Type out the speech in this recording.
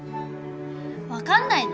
分かんないの？